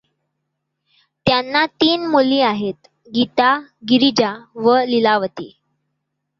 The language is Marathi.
त्यांना तीन मुली आहेत गीता, गिरिजा व लीलावती.